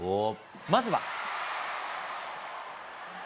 まずは。